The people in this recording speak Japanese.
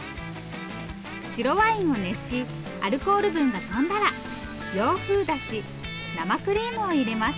白ワインを熱しアルコール分がとんだら洋風だし生クリームを入れます。